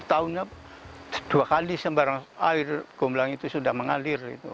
tahunnya dua kali sembarang air gomblang itu sudah mengalir